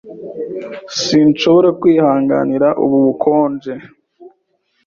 Sinshobora kwihanganira ubu bukonje.